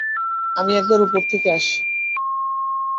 আমি একবার উপর থেকে আসি।